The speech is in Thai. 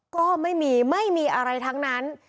ก็ไม่มีไม่มีอะไรทั้งนั้น